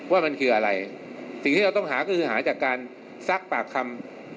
ว่ามันคืออะไรสิ่งที่เราต้องหาก็คือหาจากการซักปากคำ